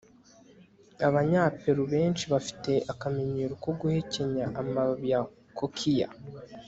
abanya peru benshi bafite akamenyero ko guhekenya amababi ya kokiya